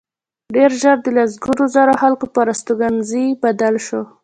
ډېر ژر د لسګونو زرو خلکو پر استوګنځي بدل شو